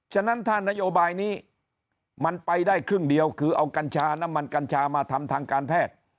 ฉะนั้นถ้านโยบายนี้มันไปได้ครึ่งเดียวคือเอากัญชาน้ำมันกัญชามาทำทางการแพทย์